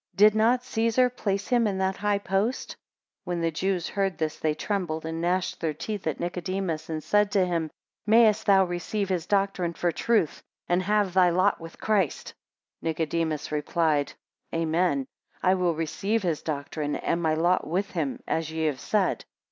Did not Caesar place him in that high post? 10 When the Jews heard this they trembled, and gnashed their teeth at Nicodemus, and said to him, Mayest thou receive his doctrine for truth, and have thy lot with Christ! 11 Nicodemus replied, Amen; I will receive his doctrine, and my lot with him, as ye have said.